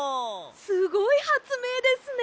すごいはつめいですね！